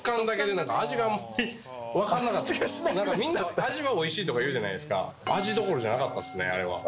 なんかみんな味はおいしいとかいうじゃないですか、味どころじゃなかったっすね、あれは。